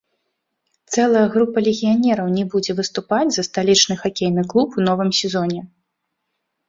Цэлая група легіянераў не будзе выступаць за сталічны хакейны клуб у новым сезоне.